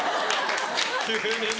急にね。